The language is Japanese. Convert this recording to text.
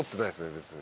別に。